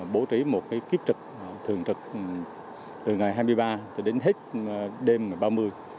bố trí một kiếp trực thường trực từ ngày hai mươi ba đến hết đêm ngày ba mươi